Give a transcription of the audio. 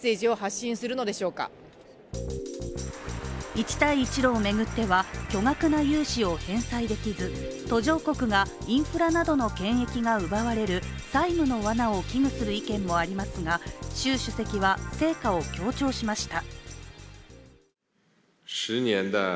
一帯一路を巡っては、巨額な融資を返済できず途上国がインフラなどの権益が奪われる債務のわなを危惧する意見もありますが習主席は成果を強調しました。